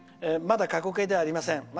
まだ過去形ではありません。